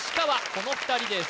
この２人です